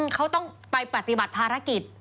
เขาต้องไปปฏิบัติภารกิจ